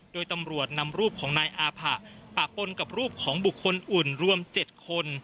โดยตำรวจนำรูปของนายอาผะปะปนกับรูปของบุคคลอื่นรวม๗คน